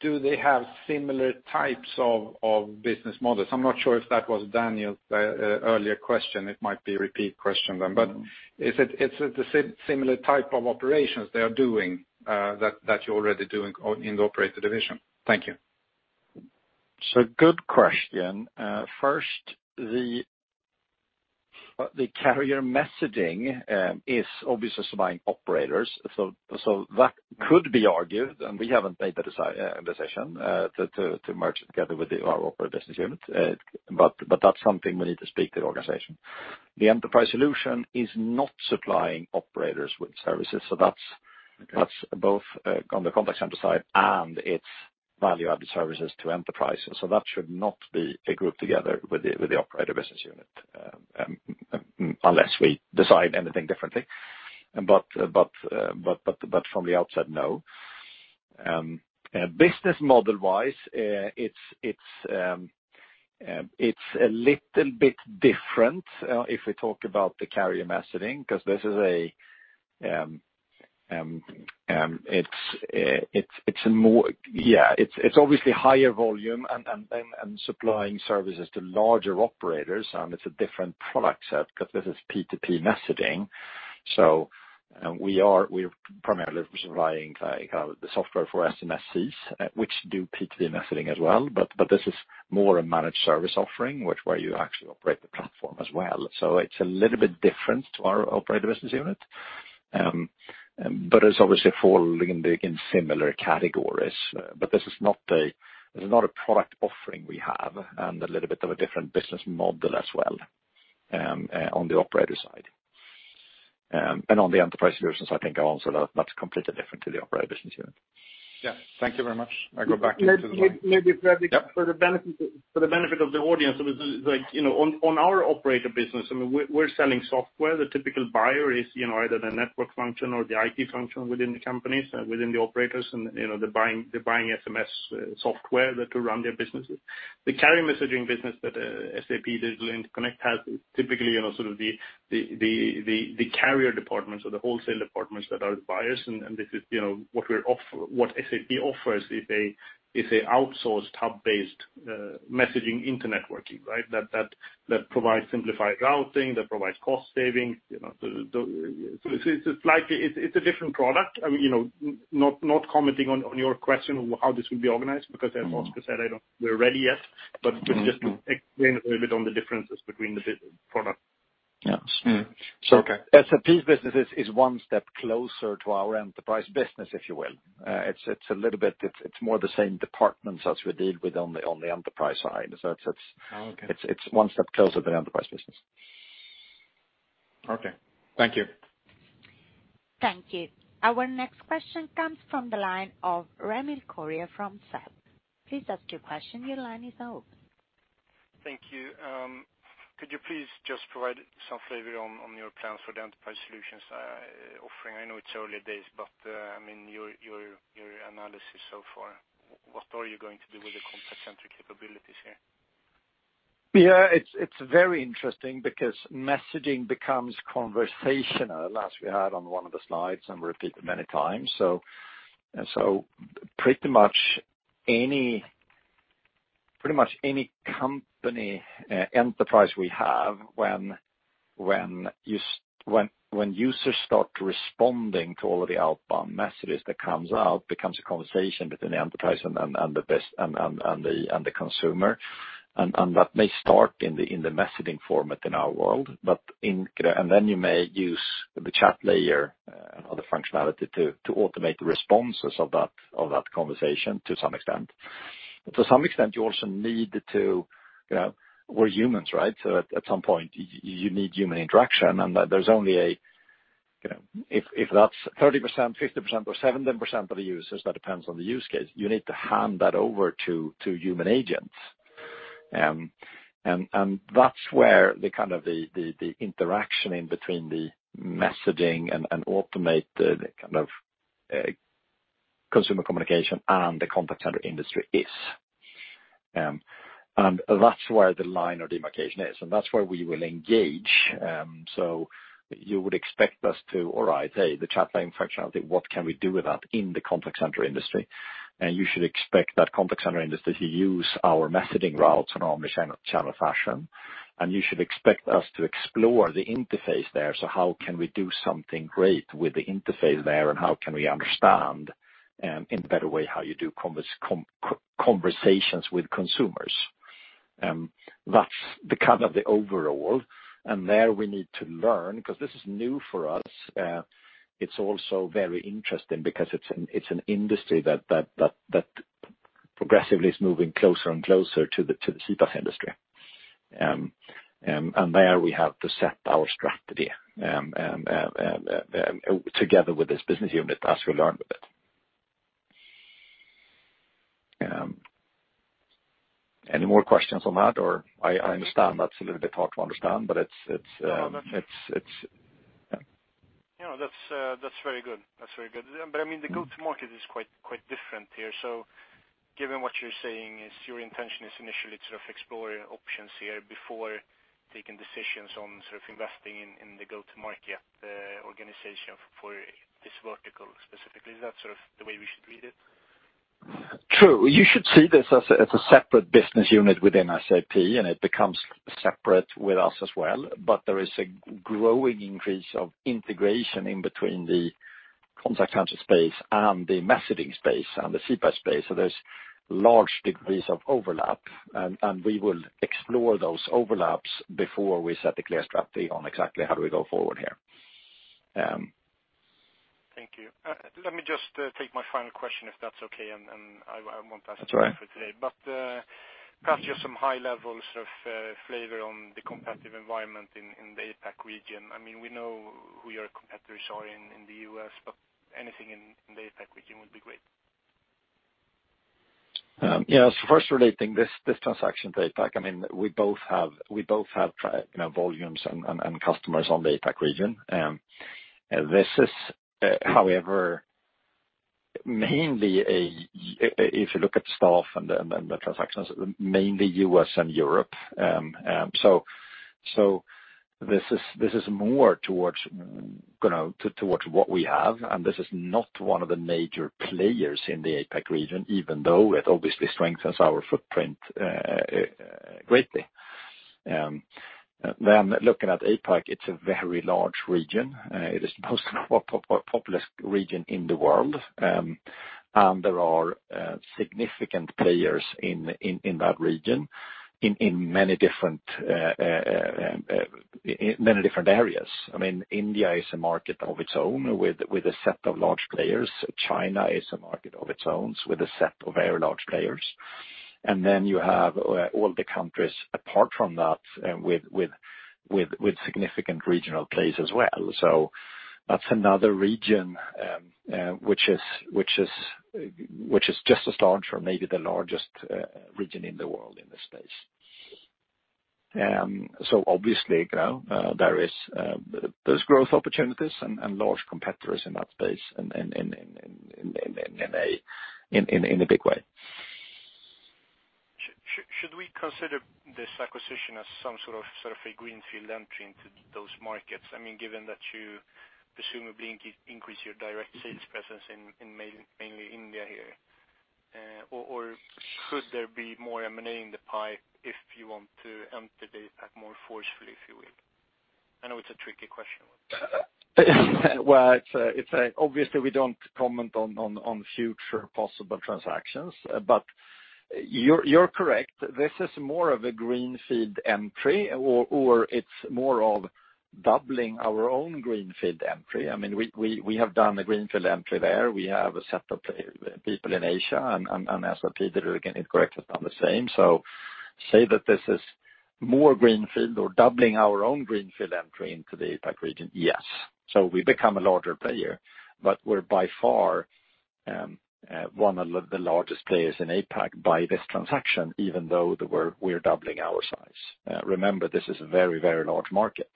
do they have similar types of business models? I'm not sure if that was Daniel's earlier question. It might be a repeat question then. Is it the similar type of operations they are doing that you're already doing in the operator division? Thank you. It's a good question. The carrier messaging is obviously supplying operators. That could be argued, and we haven't made the decision to merge it together with our operator business unit. That's something we need to speak to the organization. The enterprise solution is not supplying operators with services. That's both on the contact center side and its value-added services to enterprises. That should not be a group together with the operator business unit, unless we decide anything differently. From the outset, no. Business model-wise, it's a little bit different, if we talk about the carrier messaging, because it's obviously higher volume and supplying services to larger operators, and it's a different product set because this is P2P messaging. We're primarily supplying the software for SMSCs, which do P2P messaging as well. This is more a managed service offering, where you actually operate the platform as well. It's a little bit different to our operator business unit. It's obviously falling in similar categories. This is not a product offering we have, and a little bit of a different business model as well on the operator side. On the enterprise solutions, I think also that's completely different to the operator business unit. Thank you very much. I go back to the line. Maybe, Fredrik, for the benefit of the audience. On our operator business, we're selling software. The typical buyer is either the network function or the IT function within the companies, within the operators, and they're buying SMS software to run their businesses. The carrier messaging business that SAP Digital Interconnect has, is typically the carrier departments or the wholesale departments that are the buyers, and what SAP offers is an outsourced hub-based messaging internetworking, that provides simplified routing, that provides cost savings. It's a different product. Not commenting on your question of how this will be organized, because as Oscar said, we're not ready yet, but just to explain a little bit on the differences between the products. SAP's business is one step closer to our enterprise business, if you will. It's more the same departments as we deal with on the enterprise side. It's one step closer to the enterprise business. Thank you. Thank you. Our next question comes from the line of Ramil Koria from SEB. Please ask your question. Your line is open. Thank you. Could you please just provide some flavor on your plans for the enterprise solutions offering? I know it's early days, but your analysis so far, what are you going to do with the contact center capabilities here? It's very interesting because messaging becomes conversational, as we had on one of the slides, and repeated many times. Pretty much any company, enterprise we have, when users start responding to all of the outbound messages that comes out, becomes a conversation between the enterprise and the consumer. That may start in the messaging format in our world, and then you may use the Chatlayer or the functionality to automate the responses of that conversation to some extent. We're humans, at some point you need human interaction. If that's 30%, 50% or 70% of the users, that depends on the use case. You need to hand that over to human agents. That's where the interaction in between the messaging and automate the kind of consumer communication and the contact center industry is. That's where the line of demarcation is, and that's where we will engage. You would expect us to, all right, hey, the Chatlayer functionality, what can we do with that in the contact center industry? You should expect that contact center industry to use our messaging routes in an omni-channel fashion, and you should expect us to explore the interface there. How can we do something great with the interface there, and how can we understand, in a better way, how you do conversations with consumers? That's the kind of the overall, and there we need to learn, because this is new for us. It's also very interesting because it's an industry that progressively is moving closer and closer to the CPaaS industry. There we have to set our strategy together with this business unit as we learn with it. Any more questions on that, or I understand that's a little bit hard to understand, but it's- No, that's very good. The go-to-market is quite different here. Given what you're saying, is your intention initially sort of exploring options here before taking decisions on sort of investing in the go-to-market organization for this vertical specifically? Is that sort of the way we should read it? True. You should see this as a separate business unit within SAP, and it becomes separate with us as well. There is a growing increase of integration in between the contact center space and the messaging space and the CPaaS space. There's large degrees of overlap, and we will explore those overlaps before we set a clear strategy on exactly how do we go forward here. Thank you. Let me just take my final question, if that's okay, and I won't ask for today. That's all right. Perhaps just some high level sort of flavor on the competitive environment in the APAC region. We know who your competitors are in the U.S. Anything in the APAC region would be great. First relating this transaction to APAC, we both have volumes and customers on the APAC region. This is, however, mainly if you look at staff and the transactions, mainly U.S. and Europe. This is more towards what we have, and this is not one of the major players in the APAC region, even though it obviously strengthens our footprint greatly. Looking at APAC, it's a very large region. It is the most populous region in the world, and there are significant players in that region in many different areas. India is a market of its own with a set of large players. China is a market of its own with a set of very large players. You have all the countries apart from that with significant regional players as well. That's another region, which is just as large or maybe the largest region in the world in this space. Obviously, there's growth opportunities and large competitors in that space in a big way. Should we consider this acquisition as some sort of a greenfield entry into those markets? Given that you presumably increase your direct sales presence in mainly India here, or could there be more M&A in the pipe if you want to enter the APAC more forcefully, if you will? I know it's a tricky question. Well, obviously we don't comment on future possible transactions. You're correct. This is more of a greenfield entry, or it's more of doubling our own greenfield entry. We have done a greenfield entry there. We have a set of people in Asia, and SAP did the same. Say that this is more greenfield or doubling our own greenfield entry into the APAC region. Yes. We become a larger player, but we're by far one of the largest players in APAC by this transaction, even though we're doubling our size. Remember, this is a very large market.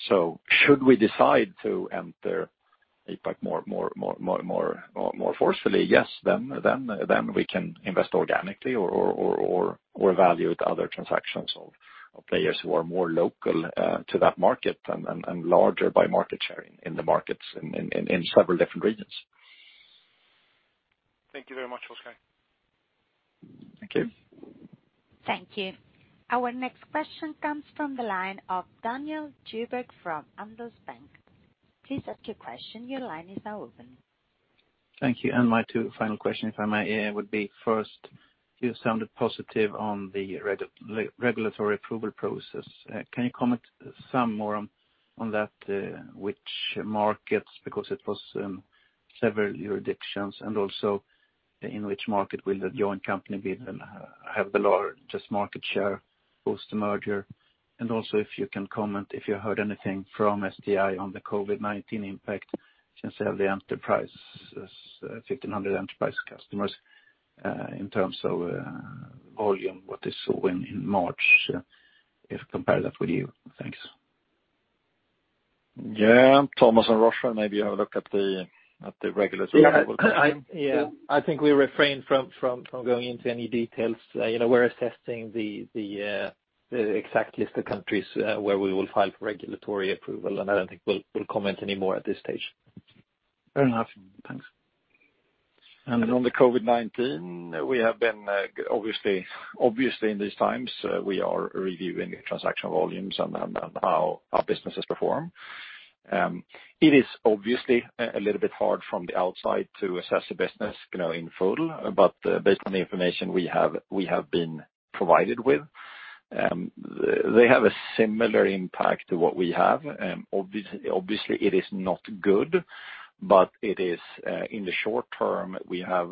Should we decide to enter APAC more forcefully, yes, we can invest organically or evaluate other transactions of players who are more local to that market and larger by market share in the markets in several different regions. Thank you very much, Oscar. Thank you. Thank you. Our next question comes from the line of Daniel Djurberg from Handelsbanken. Please ask your question. Your line is now open. Thank you. My two final question, if I may, would be first, you sounded positive on the regulatory approval process. Can you comment some more on that? Because it was several jurisdictions, in which market will the joint company have the largest market share post the merger? Also if you can comment, if you heard anything from SDI on the COVID-19 impact, since they have 1,500 enterprise customers, in terms of volume, what they saw in March, if we compare that with you. Thanks. Thomas and Roshan, maybe have a look at the regulatory approval. I think we refrain from going into any details. We're assessing the exact list of countries where we will file for regulatory approval. I don't think we'll comment any more at this stage. Fair enough. Thanks. On the COVID-19, we have been, obviously, in these times, we are reviewing transaction volumes and how our businesses perform. It is obviously a little bit hard from the outside to assess the business, in full. Based on the information we have been provided with, they have a similar impact to what we have. Obviously, it is not good, but in the short term, we have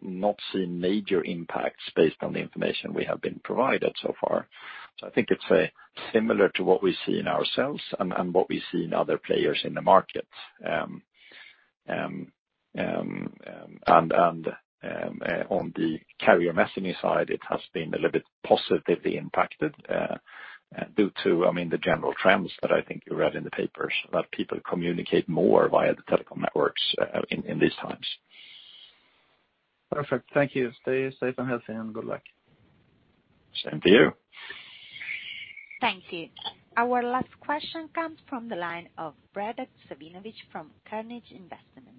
not seen major impacts based on the information we have been provided so far. I think it's similar to what we see in ourselves and what we see in other players in the market. On the carrier messaging side, it has been a little bit positively impacted, due to the general trends that I think you read in the papers, that people communicate more via the telecom networks in these times. Perfect. Thank you. Stay safe and healthy, and good luck. Same to you. Thank you. Our last question comes from the line of Predrag Savinovic from Carnegie Investment.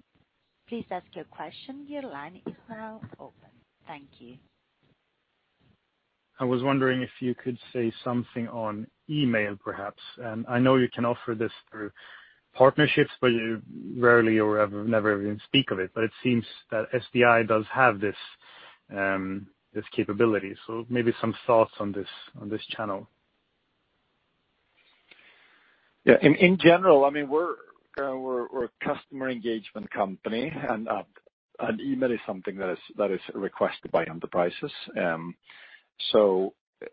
Please ask your question. Your line is now open. Thank you. I was wondering if you could say something on email, perhaps. I know you can offer this through partnerships, you rarely or never even speak of it. It seems that SDI does have this capability. Maybe some thoughts on this channel. In general, we're a customer engagement company. Email is something that is requested by enterprises.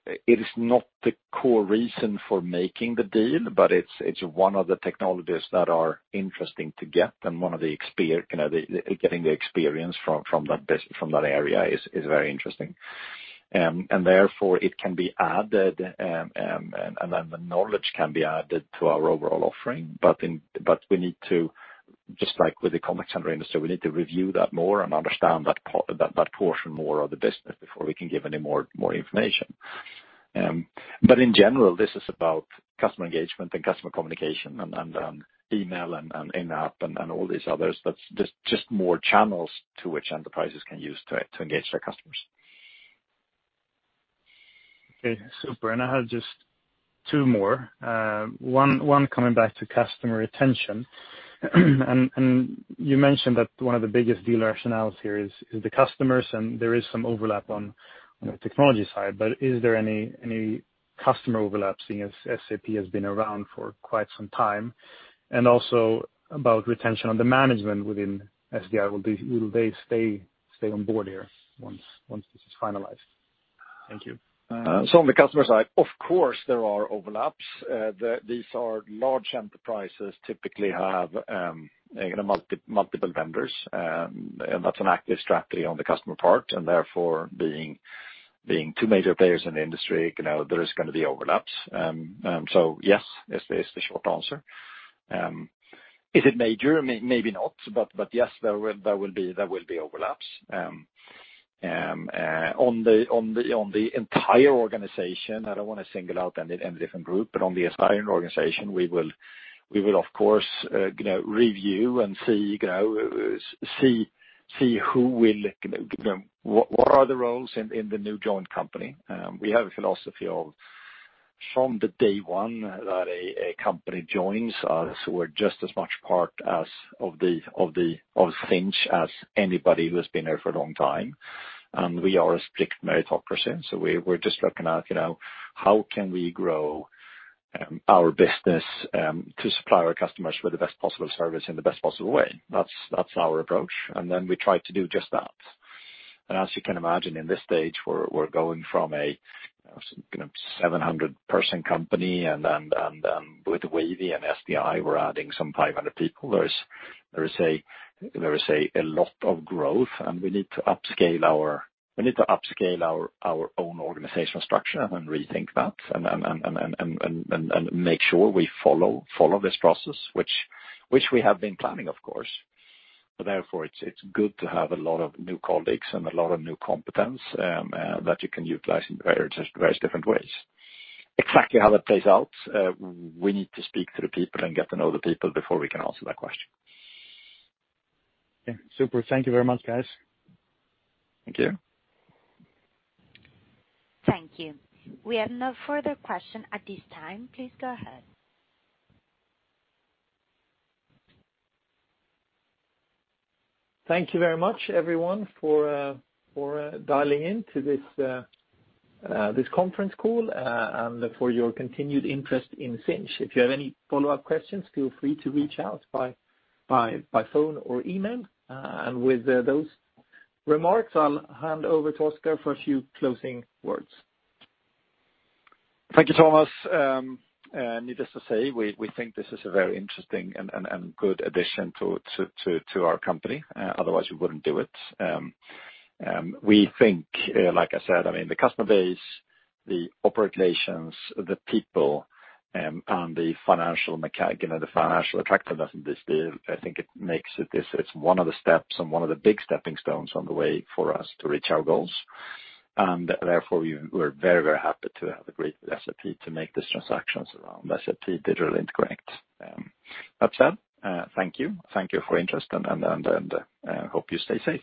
It is not the core reason for making the deal, but it's one of the technologies that are interesting to get and getting the experience from that area is very interesting. Therefore, it can be added, and the knowledge can be added to our overall offering. We need to, just like with the contact center industry, we need to review that more and understand that portion more of the business before we can give any more information. In general, this is about customer engagement and customer communication. Email and in-app and all these others, that's just more channels to which enterprises can use to engage their customers. Super. I have just two more. One, coming back to customer retention. You mentioned that one of the biggest deal rationales here is the customers, and there is some overlap on the technology side. Is there any customer overlap, seeing as SAP has been around for quite some time? Also about retention on the management within SDI. Will they stay on board here once this is finalized? Thank you. On the customer side, of course, there are overlaps. These are large enterprises, typically have multiple vendors, and that's an active strategy on the customer part, and therefore, being two major players in the industry, there is going to be overlaps. Yes, is the short answer. Is it major? Maybe not. Yes, there will be overlaps. On the entire organization, I don't want to single out any different group, but on the acquired organization, we will, of course, review and see what are the roles in the new joint company. We have a philosophy of, from the day one that a company joins us, we're just as much part of Sinch as anybody who has been here for a long time. We are a strict meritocracy, so we're just looking at how can we grow our business to supply our customers with the best possible service in the best possible way. That's our approach. Then we try to do just that. As you can imagine, in this stage, we're going from a 700-person company, and with Wavy and SDI, we're adding some 500 people. There is a lot of growth, and we need to upscale our own organizational structure and rethink that and make sure we follow this process, which we have been planning, of course. Therefore, it's good to have a lot of new colleagues and a lot of new competence that you can utilize in various different ways. Exactly how that plays out, we need to speak to the people and get to know the people before we can answer that question. Super. Thank you very much, guys. Thank you. Thank you. We have no further question at this time. Please go ahead. Thank you very much, everyone, for dialing in to this conference call and for your continued interest in Sinch. If you have any follow-up questions, feel free to reach out by phone or email. With those remarks, I'll hand over to Oscar for a few closing words. Thank you, Thomas. Needless to say, we think this is a very interesting and good addition to our company. Otherwise, we wouldn't do it. We think, like I said, the customer base, the operations, the people, and the financial attractiveness of this deal, I think it's one of the steps and one of the big stepping stones on the way for us to reach our goals. Therefore, we're very, very happy to have agreed with SAP to make these transactions around SAP Digital Interconnect. That said, thank you. Thank you for your interest, and hope you stay safe.